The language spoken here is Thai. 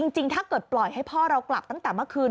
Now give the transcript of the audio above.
จริงถ้าเกิดปล่อยให้พ่อเรากลับตั้งแต่เมื่อคืน